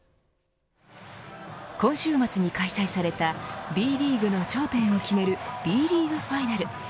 今週末に開催されたＢリーグの頂点を決めるＢリーグファイナル。